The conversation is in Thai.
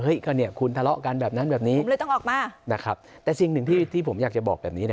เฮ้ยก็เนี่ยคุณทะเลาะกันแบบนั้นแบบนี้